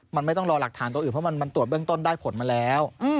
มันไม่ต้องรอหลักฐานตัวอื่นเพราะมันตรวจเบื้องต้นได้ผลมาแล้ว